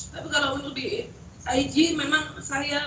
tapi kalau untuk di ig memang saya